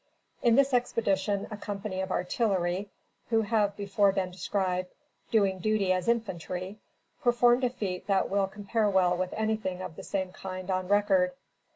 In this expedition, a company of artillery, who have before been described, doing duty as infantry, performed a feat that will compare well with anything of the same kind on record.